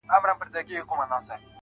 خدای ته دعا زوال د موسيقۍ نه غواړم~